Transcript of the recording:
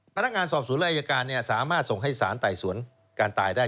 พนักงานสอบสูญเรียกรรณสามารถส่งให้ศาลไต่สวนการตายได้